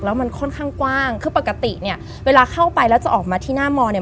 แล้วมันค่อนข้างกว้างคือปกติเนี่ยเวลาเข้าไปแล้วจะออกมาที่หน้ามอเนี่ย